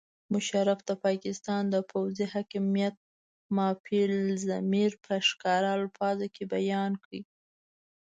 مشرف د پاکستان د پوځي حاکمیت مافي الضمیر په ښکاره الفاظو کې بیان کړ.